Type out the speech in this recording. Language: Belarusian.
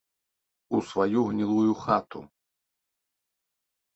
У сваю гнілую хату!